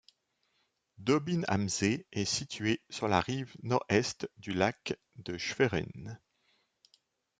Dobin am See est située sur la rive nord-est du lac de Schwerin.